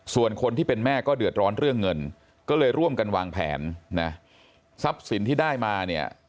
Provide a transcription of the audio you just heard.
ส่วนคนที่เป็นแม่ก็เดือดร้อนเรื่องเงินก็เลยร่วมกันวางแผนนะทรัพย์สินที่ได้มาเนี่ย